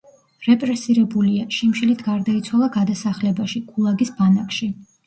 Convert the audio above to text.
რეპრესირებულია; შიმშილით გარდაიცვალა გადასახლებაში, „გულაგის“ ბანაკში.